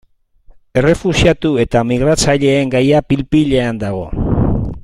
Errefuxiatu eta migratzaileen gaia pil-pilean dago.